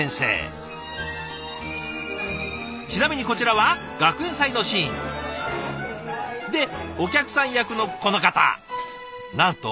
ちなみにこちらは学園祭のシーン。でお客さん役のこの方なんと校長先生。